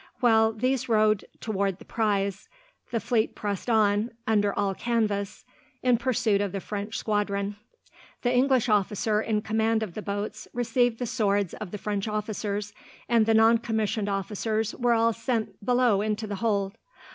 While these rowed towards the prize, the fleet pressed on, under all canvas, in pursuit of the French squadron. The English officer in command of the boats received the swords of the French officers, and the noncommissioned officers were all sent below into the hold.